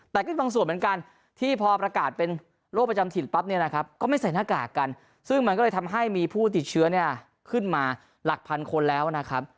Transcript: แต่ก็บางส่วนเหมือนกันที่พอประกาศเป็นโรคประจำถิ่นปั๊บเนี่ยนะครับก็ไม่ใส่หน้ากากกันซึ่งมันก็เลยทำให้มีผู้ติดเชื้อเนี่ยขึ้นมาหลักพันคนแล้วนะครับ